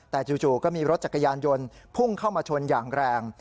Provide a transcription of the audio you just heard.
แต่จู่ก็มีรถจักรยานยนต์พุ่งเข้ามาชนอย่างแรง